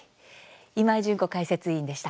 今井純子解説委員でした。